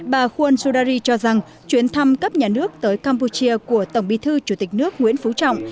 bà khuân xu đa ri cho rằng chuyến thăm cấp nhà nước tới campuchia của tổng bí thư chủ tịch nước nguyễn phú trọng